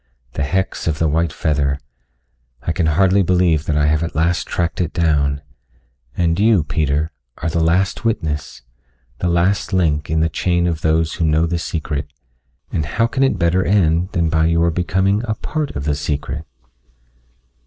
The hex of the white feather I can hardly believe that I have at last tracked it down. And you, Peter, are the last witness, the last link in the chain of those who know the secret, and how can it better end than by your becoming a part of the secret?"